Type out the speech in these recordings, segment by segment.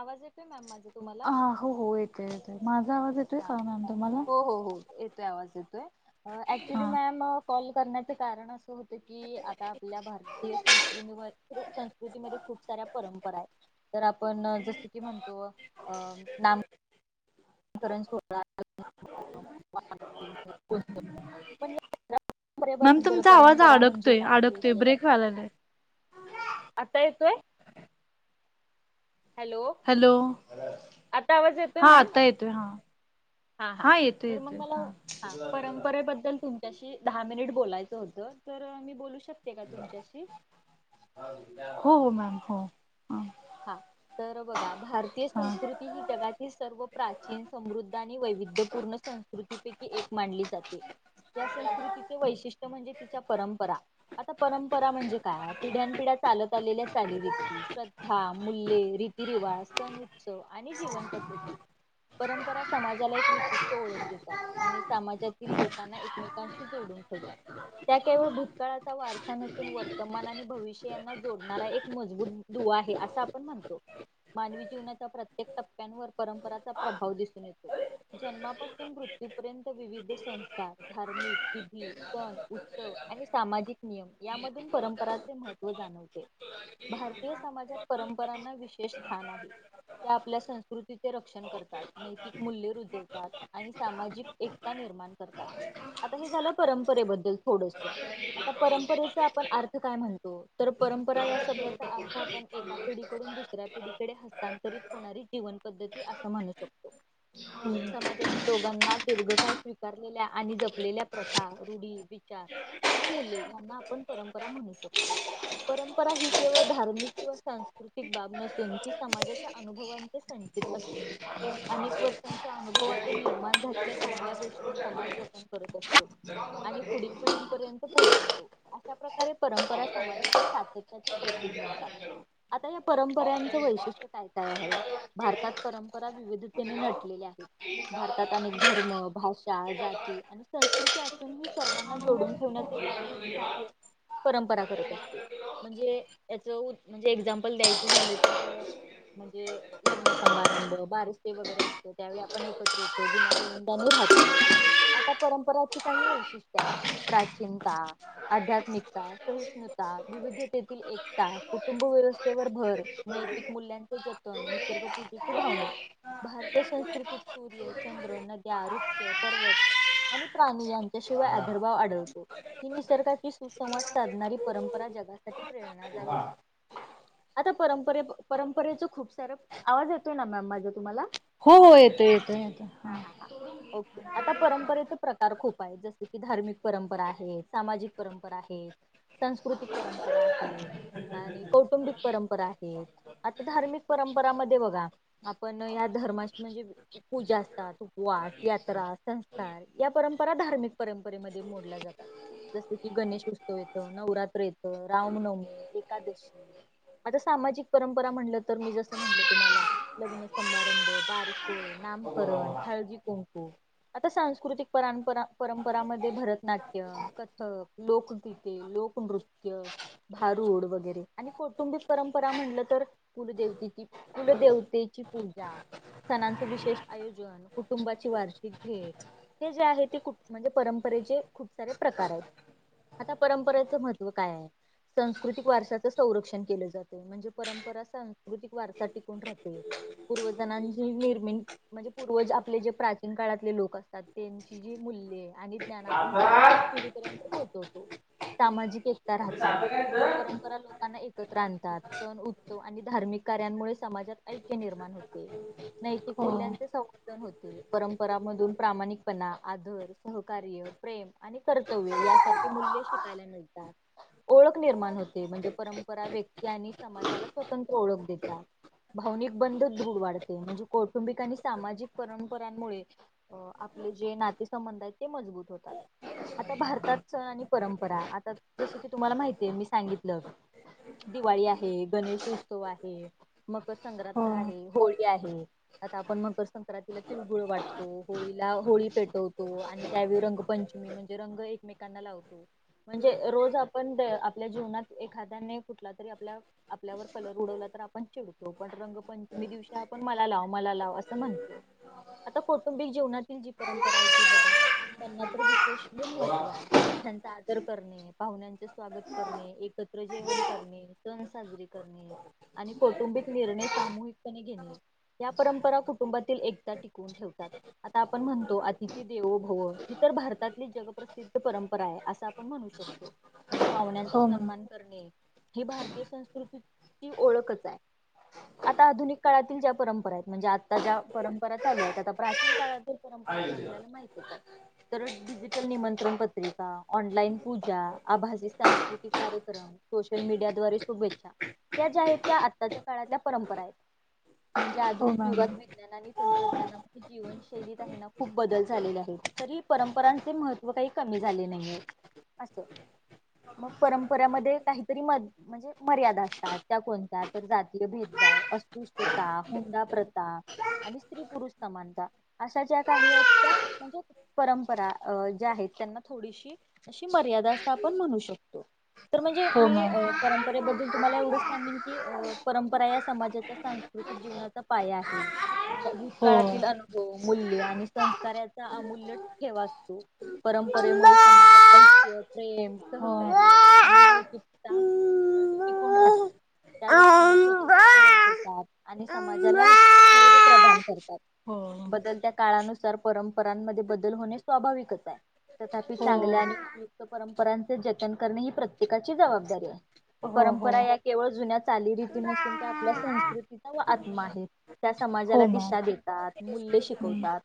आवाज येतोय मॅम माझा तुम्हाला? हो हो येतय येतय. माझा आवाज ये हा. हो हो हो. येतोय आवाज येतोय. ऍक्च्युली मॅम कॉल करण्याच कारण असं होत की, आता आपल्या भारतीय संस्कृनीवर संन मध्ये खूप साऱ्या परंपरायेत. तर आपण जस की म्हणतो. नाम मकरण सोहळा [inaudible] मॅम परंपरेबद्दल तुमचा आवाज परंपरा म्हणजे अडकतोय. काय अडकतोय. हे ब्रेक वयला लय. आता येतोय? हॅलो. आता आवाज येतोय मॅम? हा हा. तर मग मला. हा. परंपरेबद्दल तुम शी दहा मिनिट बोलायचं होतं. तर मी बोलू शकते का तुमच्याशी? हो हो मॅम. हो. हां. तर बघा भारतीय संस्कृती ही जगातील सर्व प्राचीन समृद्ध आणि वैविध्यपूर्ण सं संस्कृतीपैकी एक मानली जाते या संस्कृतीचे वैशिष्ट्य म्हणजे तिच्या परंपरा. आता परंपरा म्हणजे काय पिढ्यानपिढ्या चालत आलेल्या चालीरीती श्र हा मूल्य रीतीरिवाज सण उत्सव आणि जीवन पद्धती परंपरा समाजाला एक विशिष्ट ओळख देतात आणि समाजातील लोकांना एकमेकांशी जोडून ठेवतात. त्या केवळ भूतकाळाचा वारसा नसून वर्तमान आणि भविष्य यांना जोडणारा एक मजबूत दुवा आहे असं आपण म्हणतो. मानवी जीवनाच्या प्रत्येक टप्प्यांवर परंपराचा प्रभाव दिसून येतो. जन्मापासून मृत्यूपर्यंत विविध संस्कार धार्मिक, विधी, सण उत्सव आणि सामाजिक नियम यामधून परंपराचे महत्त्व जाणवते. भारतीय समाजात परंपरांना विशेष स्थान आहे. त्या आपल्या संस्कृतीचे रक्षण करतात. नैतिक मूल्य रुजवतात आणि सामाजिक एकता निर्माण करतात. आता हे झालं परंपरेबद्दल थोडस. आता परंपरेचा आपण अर्थ काय म्हणतो तर परंपरा या शब्दाचा अर्थ आपण एका पिढीकडून दुसऱ्या पिढीकडे हस्तांतरित होणारी जीवन पद्धती असं म्हणू शकतो. [inaudible] समाजातील लोकांना दीर्घकाळ स्वीकारलेल्या आणि जपलेल्या प्रथा, रूढी, विचार आणि मूल्ये यांना आपण परंपरा म्हणू शकतो. परंपरा ही केवळ धार्मिक किंवा सांस स्कृतिक बाब नसून ती समाजाच्या अनुभवांचे संचित असते. अनेक वर्षांच्या अनुभवातून निर्माण झालेल्या चांगल्या गोष्टी समाज जतन करत असतो. आणि पुढील पिढींपर्यंत पोहोचवतो. अशा प्रकारे परंपरा समाजाच्या सातत्याचे प्रतीक बनतात. आता या परांपर्यांच वैशिष्ट्य काय काय आहे? भारतात परंपरा विविधतेने नटलेल्या आहेत. भारतात अनेक धर्म, भाषा, जाती आणि संस्कृती असून ही सर्वांना जोडून ठेवण्याचे कार्य कार्य परंपरा करत असते म्हणजे त्याच म्हणजे उ एक्झाम पल द्यायचे झाले तर म्हणजे लग्न समारंभ, बारसे वगैरे असत त्यावेळी आपण एकत्र येतो गुन्या गोविंदाने राहतो. आता परंपराची काही वैशिष्ट्य आहेत प्राचीनता आध्यात्मिकता, सहिष्णुता, विविधतेतील एकता, कुटुंब व्यव स्थेवर भर नैतिक मूल्यांचे जतन, निसर्ग पूजेची भावना. भारतीय संस्कृतीत सूर्य, चंद्र, नद्या वृक्ष, पर्वत आणि प्राणी यांच्याशिवाय आदरभाव आढळतो. ही निसर्गाची सुसंवाद साधणारी परंपरा जगासाठी प्रेरणादायी आहे. आता परंपरे- परंपरेच खूप सार, आवाज येतोय ना मॅम माझा तुम्हाला? हो हो येतोय येतोय आता. हा हां हां. ओके, आता परंपरेचे प्रकार खूप आहेत जस की धार्मिक परंपरा आहे, सामाजिक परंपरा आहेत. सांस्कृतिक परंपरा आहे आणि कौटुंबिक परंपरा आहेत आता धार्मिक परंपरामध्ये बघा आपण या धर्माशी म्हणजे पूजा असतात उपवास, यात्रा, संस्कार या परंपरा, धार्मिक परंपरेमध्ये, मोडल्या जातात. जस की, गणेशोत्सव येतो, नवरात्र येतं, रामनवमी, एकादशी. आता सामाजिक परंपरा म्हणलं, तर मी जसं म्हणलं तुम्हाला लग्न समारंभ, बारसे, नामकरण, हळदी कुंकू आता, सांस्कृतिक परंपरा-परंपरामध्ये भरतनाट्यम कथक, लोकगीते, लोकनृत्य, भारूड वगैरे आणि कौटुंबिक परंपरा म्हणलं, तर कुलदेवतेचे, कुलदेवतेची पूजा. सणांचं विशेष आयोजन, कुटुंबाची वार्षिक भेट हे जे आहे, ते कुप, म्हणजे परंपरेचे, खूप सारे प्रकार आहेत. आता परंपरेचं महत्व काय ये, संस्कृतिक वारश्याच संरक्षण केलं जा त, म्हणजे परंपरा सांस्कृतिक वारसा टिकून राहतये. पूर्वजणांची निर्मिण, म्हणजे पूर्वज आपले जे प्राचीन काळातले लोक असतात, त्यां ची जी मूल्ये आणि ज्ञान आपण पुढील पिढीपर्यंत पोहचवतो, सामाजिक एक ता राहते, म्हणजे परंपरा लोकांना एकत्र आणतात. सण, उत्सव व आणि धार्मिक कार्यांमुळे, समाजात ऐक्य निर्माण होते. नैतिक मूल्यांचे संवर्धन होते. परंपरा मधून प्रामाणिकपणा, आदर, सहकार्य, प्रेम आणि कर्तव्य यासारखी मूल्य शिकायला मिळतात, ओळख निर्माण होते, म्हणजे परंपरा, व्यक्ती आणि समाजाला स्वतंत्र ओळख देतात. भावनिक बंध दृढ वाढते, म्हणजे कौटुंबिक आणि सामाजिक परंपरांमुळे अ आपले जे नातेसंबंध आहेत, ते मजबूत होतात. आता भारताच आणि परंपरा, आता जसं की तुम्हाला माहिती ये, मी सांगितलं दिवाळी आहे, गणेश उत्सव आहे, मकर संक्रांत आहे, होळी आहे आता आपण मकर संक्रांतीला तिळगुळ वाटतो, होळीला होळी पेटवतो आणि त्यावेळी रंगपंचमी म्हणजे रंग एकमेकांना लावतो. म्हणजे रोज आपण द आपल्या जीवनात, एखाद्या ने कुठला, तरी आपला आपल्यावर कलर उडवला, तर आपण चिडतो, पण रंगपंचमी दिवशी आपण, मला लाव, मला लाव असं म्हणतो. आता कौटुंबिक जीवनातील जी परंपरा आहे, ती बघा त्यांना तर विशेष लई महत्त्व हाय, मोठ्यांचा आदर करणे पाहुण्यांचे स्वागत करणे, एकत्र जेवण करणे, सण साजरे करणे. आणि कौटुंबिक निर्णय सामूहिकपणे घेणे. या परंपरा, कुटुंबातील एकता टिकवून ठेवतात. आता आपण म्हणतो, 'अतिथी देवोभव' ही तर भारतातली जगप्रसिद्ध परंपरा ये, असं आपण म्हणू शक तो, म्हणजे पाहुण्यांचा सन्मान करणे, हे भारतीय सं स्क्रूतीक ती ओळखच हाय. आता आधुनिक काळातील, ज्या परंपरा यत, म्हणजे आता ज्या परंपरा चालू आहेत, आता प्राचीन काळात परंपरा, तर आपल्याला माहितच हाय. तर डिजिटल निमंत्रण पत्रिका, ऑनलाइन पूजा, आभासी सांस्कृतिक कार्यक्रम सोशल मीडया द्वारे शुभेच्छा, त्या ज्या आहेत, त्या आत्ताच्या काळातल्या परंपरा येत, म्हणजे आधुनिक युगात विज्ञान आणि तंत्रज्ञानात ती जीवनशैलीत आहेना खूप बदल झालेले आहेत, तरी परंपरांचे महत्त्व काही कमी झाले नाही ये. असत, मग परंपऱ्यामध्ये, काहीतरी म, म्हणजे मर्यादा असतात, त्या कोणत्या? तर जातीय भेदभाव, अस्पृश्यता, हुंडा प्रथा आणि स्त्री-पुरुष समानता, अशा ज्या काही आहेत त्या म्हणजे परंपरा अ ज्या आहेत त्यांना थोडीशी अशी मर्यादा अस आपण म्हणू शकतो तर म्हणजे मी परंम परंपेबद्दल तुम्हाला एवढंच सांगेन की अ परंपरा या समाजाचा सांस्कृतिक जीवनाचा पाया आहे भूतकाळातील अनुभव मूल्य आणि संस्काराचा अमूल्य ठेवा असतो हो परंपरेमुळे समाजात ऐक्य प्रेम सहकार्य आणि नैतिकता अ, टिकून राहत त्या व्यक्तीला स्वतंत्र ओळख देतात आणि समाजाला थैर्य प्रदान करतात बदलत्या काळानुसार परंपरांमध्ये बदल होणे स्वाभाविकच आहे तथापि चांगल्या आणि उपयुक्त परंपरांचे जतन करणे ही प्रत्येकाची जबाबदारी आहे परंपरा या केवळ जुन्या चालीरीिती नसून त्या आपल्या संस्कृतीचा व आत्मा आहेत त्या समाजाला दिशा देतात मूल्य शिकवतात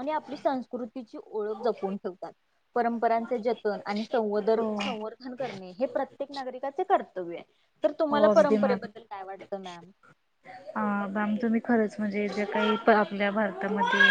आणि आपली संस्कृतीची ओळख जपून ठेवतात परंपरांचे जतन आणि संवदर संवर्धन करणे हे प्रत्येक नागरिकाचे करंत्यव्य कत्या तर तुम्हाला परंपरेबद्दल काय वाटतं मॅम हा मॅम च भी तुम्ही खरंच म्हणजे ज्या काही आपल्या भारतात मध्ये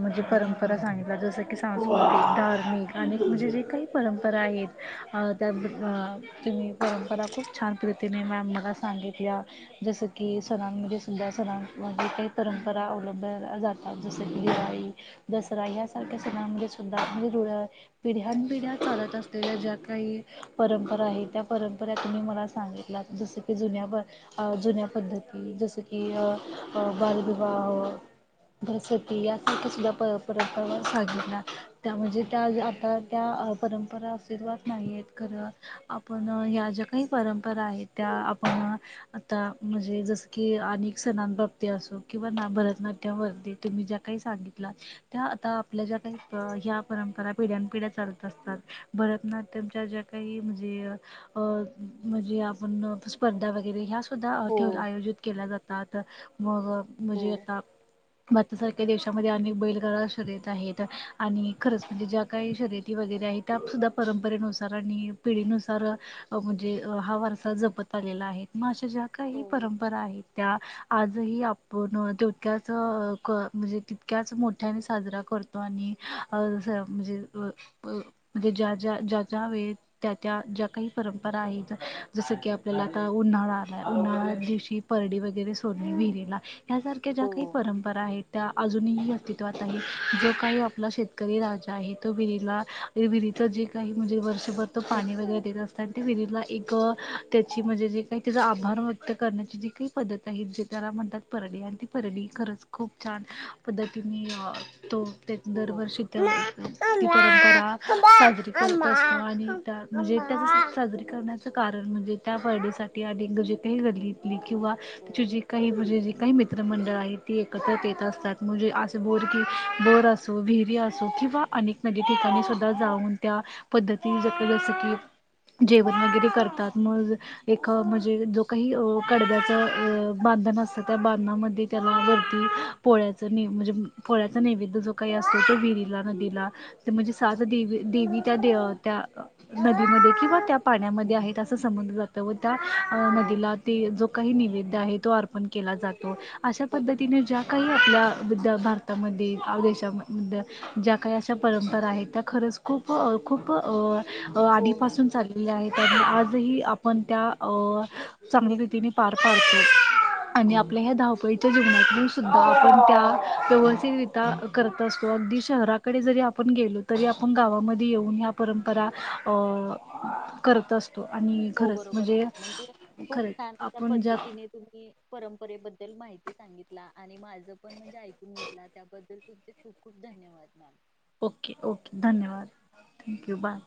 म्हणजे परंपरा सांगितला जसं की सांस्कृतिक धार्मिक आणि म्हणजे जे काही परंपरा आहेत अ त्या अ तुमही परंपरा खूप छान प्रीतीने मॅम मला सांगित या जस की सणांमध्येणजे सुद्धा सणांमध्ये काही परंपरा अवलंबल्या जातात जसं की हिवाळी दसरा यासारख्या सना मुळे सुद्धा म्हणजे दुळा पिढ्या न पिढ्या चालत असलेल्या ज्या काही परंपरा आहे त्या परंपरा तुही मला सांगितलात जस की जुन्या प जुन्या पद्धती जसं की अ अबाल विवाह बसतीया कसल परपरा सांगिना त्या म्हणजे त्या आता त्या परंपरा अस्तिस्तवात नाहीेत खरं आपण ह्या ज्या काही परंपरा आहेत त्या आपण आता म्हणजे जसआ कि अनेक सणान बाबतीत असो किंवा ना भरतनाट्यवरती तुम्ही ज्या काही सांगितला त्या आता आपल्या ज्या काही ह्या परंपरा पिढ्या पिढ्या चालत असतात भरतनाट्यमच्या ज्या काही म्हणजे अ अ म्हणजे आपण स्पर्धा वगैरे ह्या सुद्धा हो ठेवलं आयोजित केल्या जातात मग हो म्हणजे आता भारतासारख्या देशामध्ये अनेक बैलगाडा शर्यत आहेत आणि खरंच म्हणजे ज्या काही शर्यती, वगैरे आहे त्या सुद्धा परंपरेनुसार आणि पिढीनुसार. अ म्हणजे हा वारसा जपत आलेला आहे मग अशा ज्या काही हो परंपरा आहेत त्या आजही आपण तेवक्याच म्हणजे तितक्याच मोठ्याने साजरा करतो. अणि अ जेस अस म्हणजे ज्या ज्या ज वेळे, त्या त्या ज्या काही परंपरा आहेत जसं की आपल्याला आता उन्हाळा आलाय उन्हाळ्या दिवशी. परडी वगैरे सोड विहिरीला यासारख्या ज्या काही हो परंपरा आहेत, त्या अजूनही अस्तित्वात आहे जो काही आपला शेतकरी राजा आहे तो विहिरला, त्या विहिरीचं जे काही म्हणजे वर्षभरच पाणी वगैरे देत असत आणि ते विहिरीला एक त्याची म्हणजे जे तचा आभार व्यत करण्या. चा जी काही पद्धत आहेत जे त्याला म्हणतात परडी आणि ती परडी खरच खूप छान. पद्धतीने अ तो त्य हो दरवर्षी, अमा ती परंपरा साजरी करत म्हणजे त्या म्हणजे साजरी करण्या, त्याच कारण म्हणजे त्या बडीसाठी अलीग जे काही गळली. किंवा ती हो जी काही म्हणजे जी काही मित्रमंडळ आहे ती एकत्र येत असतात. म्हणजे अस बोर की बोर असो विहिरी असो किंवा अनेक नदी ठिकाणीसुद्धा जाऊन त्या, पद्धती जसं जसं की, जेवण वगैरे करतात मग एका म्हणजे जो काही कडव्याचं बांधण असतं त्या बांधणामध्ये त्याला वरती पोळ्याचं नि म्हणजे. पोळ्याचा नैवेद्य जो काही असतो तो विहिरीला नदीला. ते म्हणजे सात देवी देवी त्या त्या. नदीमध्ये किंवा त्या पाण्यामध्ये आहेत असं समजल त्या हो नदीला ते जो काही निवेद्य आहे तो अर्पण केला जातो. अशा बरोबर पद्धतीने ज्या काही आपल्या भारतामध्ये देशा ज्या काही अशा परंपरा आहेत, त्या खरंच खूप खूप अ, अ हो मॅम आधीपासून चालली आहेत आणि आजही आपण त्या अ, चांगली रीतीने पार पाडतो. आणि आपल्या ह्या धावपळीच्या जीवनातून सुद्धा आपण त्या व्यवस्थित करत असतो. अगदी शहराकडे जरी आपण गेलो तरी आपण गावामध्ये येऊन, परंपरा करत असतो आणि हो खरंच बरोबर म्हणजे, मॅम खूप खरेच. छान अशा आपण ज्या, पद्धतीने तुम्ही परंपरेबद्दल माहिती सांगितला आणि माझं पण म्हणजे ऐकून घेतला त्याबद्दल तुम खूप खूप धन्यवाद मॅम. ओके ओके धन्यवाद थँक्यू! बाय.